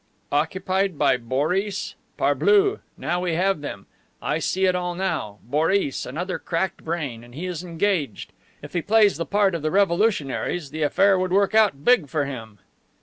"Occupied by Boris. Parbleu! Now we have them. I see it all now. Boris, another cracked brain! And he is engaged. If he plays the part of the Revolutionaries, the affair would work out big for him."